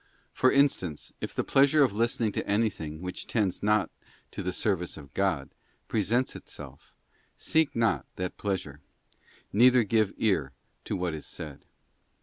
For instance, if the pleasure of listening to anything which tends not to the service of God presents itself, seek not that plea sure, neither give ear to what is said.